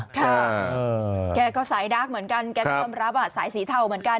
แกก็สายดาร์กเหมือนกันแกก็ยอมรับสายสีเทาเหมือนกัน